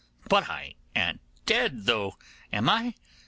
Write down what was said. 'But I an't dead though, am I?